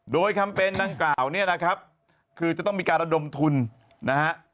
โดยแคมเปญดังกล่าวเนี่ยนะครับคือจะต้องมีการระดมทุนนะฮะ